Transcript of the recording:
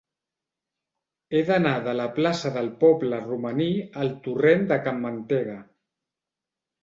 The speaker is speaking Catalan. He d'anar de la plaça del Poble Romaní al torrent de Can Mantega.